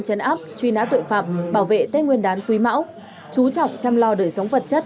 chấn áp truy nã tội phạm bảo vệ tết nguyên đán quý mão chú trọng chăm lo đời sống vật chất